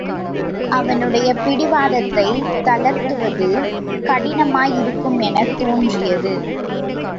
அவனுடைய பிடிவாதத்தைத் தளர்த்துவது கடினமாயிருக்குமெனத் தோன்றியது.